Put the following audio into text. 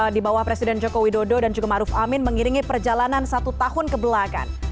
di bawah presiden jokowi dodo dan juga maruf amin mengiringi perjalanan satu tahun ke belakang